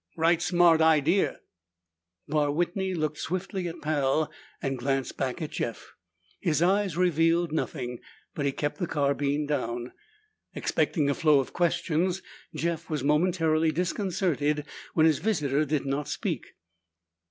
"Right smart idea." Barr Whitney looked swiftly at Pal and glanced back at Jeff. His eyes revealed nothing, but he kept the carbine down. Expecting a flow of questions, Jeff was momentarily disconcerted when his visitor did not speak.